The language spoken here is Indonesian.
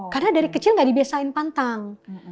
karena dari kecil gak dibiasain pantang